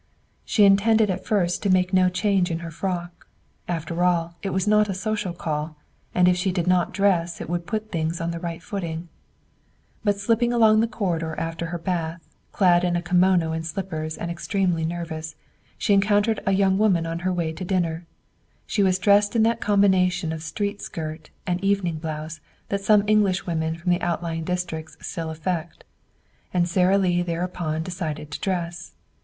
She intended at first to make no change in her frock. After all, it was not a social call, and if she did not dress it would put things on the right footing. But slipping along the corridor after her bath, clad in a kimono and slippers and extremely nervous, she encountered a young woman on her way to dinner, and she was dressed in that combination of street skirt and evening blouse that some Englishwomen from the outlying districts still affect. And Sara Lee thereupon decided to dress.